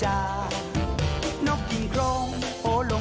สวัสดีค่ะต่างทุกคน